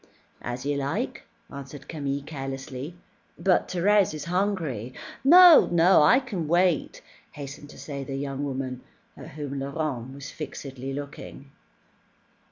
"As you like," answered Camille carelessly. "But Thérèse is hungry." "No, no, I can wait," hastened to say the young woman, at whom Laurent was fixedly looking.